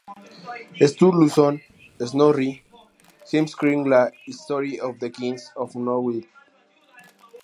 Sturluson, Snorri, "Heimskringla: History of the Kings of Norway", tr.